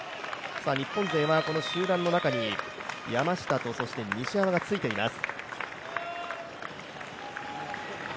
日本勢は集団の中に山下と西山がついています。